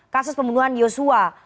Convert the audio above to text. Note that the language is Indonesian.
kasus pembunuhan yosua